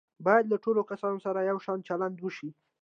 باید له ټولو کسانو سره یو شان چلند وشي.